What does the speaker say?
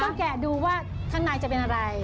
แกะดูว่าข้างในจะเป็นอะไร